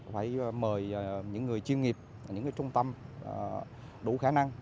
phải mời những người chuyên nghiệp những trung tâm đủ khả năng